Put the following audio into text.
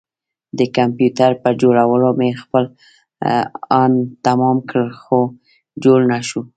د کمپيوټر پر جوړولو مې خپل ان تمام کړ خو جوړ نه شو.